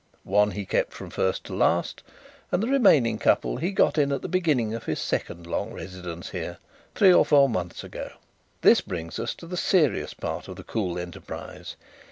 One he kept from first to last, and the remaining couple he got in at the beginning of his second long residence here, three or four months ago. "This brings us to the serious part of the cool enterprise.